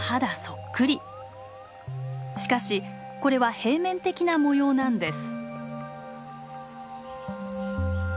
しかしこれは平面的な模様なんです。